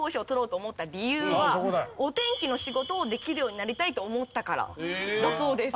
お天気の仕事をできるようになりたいと思ったからだそうです。